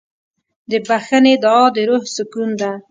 د بښنې دعا د روح سکون ده.